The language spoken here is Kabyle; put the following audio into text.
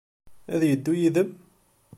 Ad yeddu yid-m?